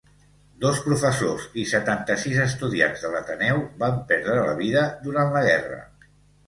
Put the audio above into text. Dos professors i setanta-sis estudiants de l'Ateneu van perdre la vida durant la guerra.